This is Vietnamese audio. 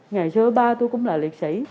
ngày xưa ba tôi cũng là liệt sĩ